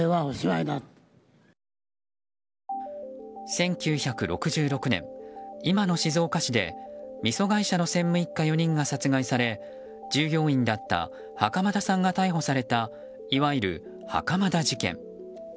１９６６年、今の静岡市でみそ会社の専務一家４人が殺害され従業員だった袴田さんが逮捕された、いわゆる袴田事件。